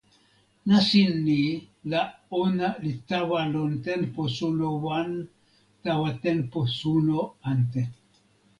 nasin ni la ona li tawa lon tenpo suno wan tawa tenpo suno ante.